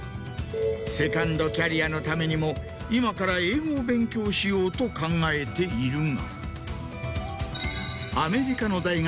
セカンドキャリアのためにも今から英語を勉強しようと考えているが。